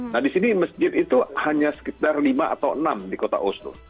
nah di sini masjid itu hanya sekitar lima atau enam di kota oslo